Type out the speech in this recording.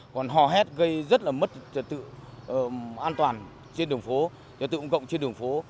còn hò hét gây rất là mất trật tự an toàn trên đường phố trật tự công cộng trên đường phố